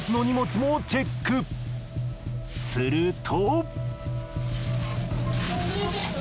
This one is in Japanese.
すると。